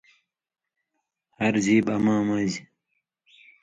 ہر ژیب اما مژ